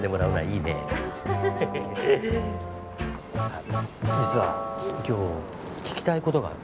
あっ実は今日聞きたいことがあってさ。